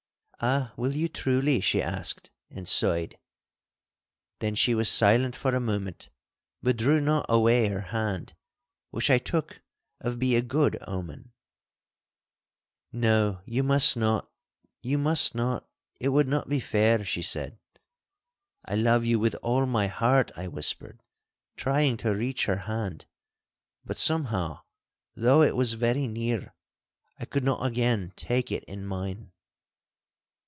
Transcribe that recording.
'Ah, will you truly?' she asked, and sighed. Then she was silent for a moment but drew not away her hand, which I took of be a good omen. 'No, you must not—you must not. It would not be fair!' she said. 'I love you with all my heart!' I whispered, trying to reach her hand; but somehow, though it was very near, I could not again take it in mine.